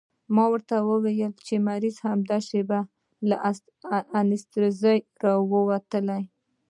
ما ورته وويل چې مريض همدا شېبه له انستيزۍ راوتلى.